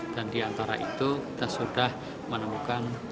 dan di antara itu kita sudah melakukan tujuh ribu tes cepat